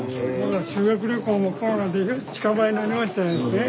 修学旅行もコロナで近場になりましたですね。